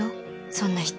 そんな人。